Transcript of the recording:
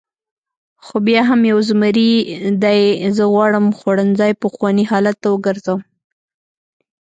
خو بیا هم یو زمري دی، زه غواړم خوړنځای پخواني حالت ته وګرځوم.